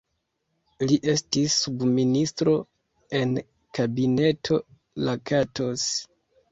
Li estis subministro en Kabineto Lakatos.